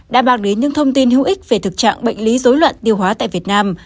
đã mang đến những thông tin hữu ích về thực trạng bệnh lý dối loạn tiêu hóa tại việt nam